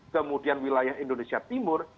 kemudian wilayah indonesia timur